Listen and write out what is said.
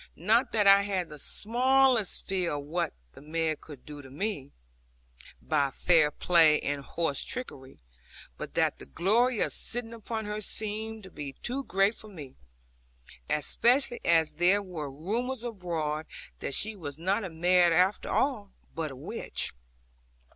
Not that I had the smallest fear of what the mare could do to me, by fair play and horse trickery, but that the glory of sitting upon her seemed to be too great for me; especially as there were rumours abroad that she was not a mare after all, but a witch.